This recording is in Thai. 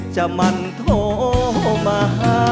จะมันโทมา